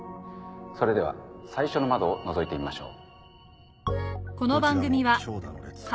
それでは最初の窓をのぞいてみましょう。